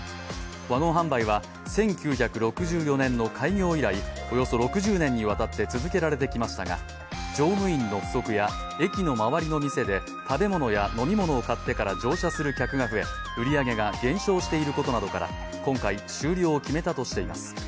ワゴン販売は１９６４年の開業以来、およそ６０年にわたって続けられてきましたが、乗務員の不足や駅の周りの店で食べ物や飲み物を買ってから乗車する客が増え、売り上げが減少していることなどから今回、終了を決めたとしています。